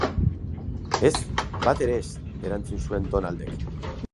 Ez, bat ere ez, erantzun zuen Donaldek.